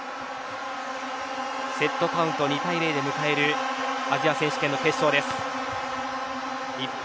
セットカウント２対０で迎えるアジア選手権の決勝です。